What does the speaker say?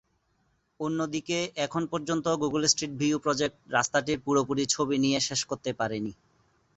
অন্যদিকে এখন পর্যন্ত গুগল স্ট্রিট ভিউ প্রজেক্ট রাস্তাটির পুরোপুরি ছবি নিয়ে শেষ করতে পারেনি।